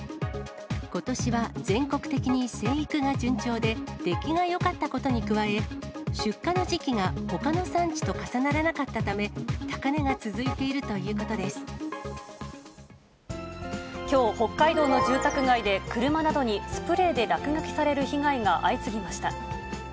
ことしは全国的に生育が順調で、出来がよかったことに加え、出荷の時期がほかの産地と重ならなかったため、高値が続いているきょう、北海道の住宅街で車などにスプレーで落書きされる被害が相次ぎました。